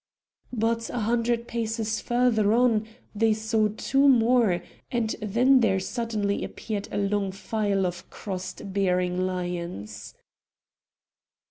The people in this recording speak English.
But a hundred paces further on they saw two more, and then there suddenly appeared a long file of crosses bearing lions.